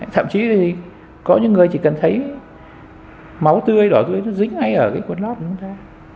thậm chí thì có những người chỉ cần thấy máu tươi đỏ tươi nó dính ngay ở cái quần lót của chúng ta